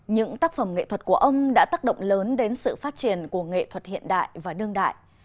những tác phẩm nghệ thuật của ông đã tác động lớn đến sự phát triển của nghệ thuật hiện đại và đương đại